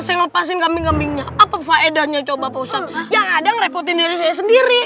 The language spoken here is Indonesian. saya lepasin kambing kambingnya apa faedahnya coba pusat yang ada ngerepotin diri saya sendiri